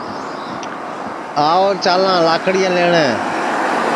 آو چالاں لاکڑیاں لئٹؔے